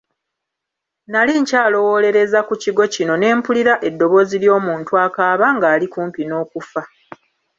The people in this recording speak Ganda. Nali nkyalowoolereza ku kigo kino ne mpulira eddoboozi ly'omuntu akaaba ng'ali okumpi n'okufa.